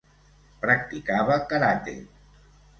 Practicava karate.